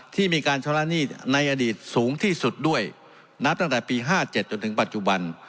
ที่มีการชำระหนี้ในอดีตสูงที่สุดด้วยนับตั้งแต่ปี๕๗จนถึงปัจจุบัน